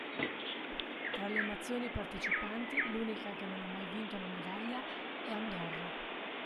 Tra le nazioni partecipanti l'unica che non ha mai vinto una medaglia è Andorra.